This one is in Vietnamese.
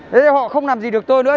thế họ không làm gì được tôi nữa